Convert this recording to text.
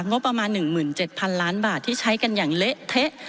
งบประมาณหมื่นเจ็ดพันล้านบาทที่ใช้กันอย่างเละเทะ